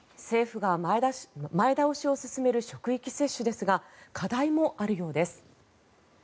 政府が前倒しを進める職域接種ですが課題もあるようです。